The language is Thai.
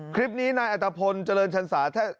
คลิปนี้นายอัตภพลเจริญชันศา